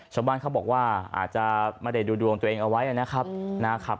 ชาวบ้านเขาบอกว่าอาจจะไม่ได้ดูดวงตัวเองเอาไว้นะครับ